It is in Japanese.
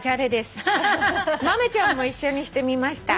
「豆ちゃんも一緒にしてみました」